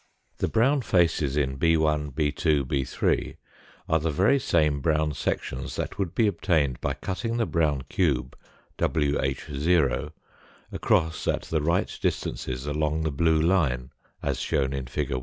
The brown faces in 6 19 6 2 > b 3 , are the very same brown sections that would be obtained by cutting the brown cube, wh , across at the right distances along the blue line, as shown in fig.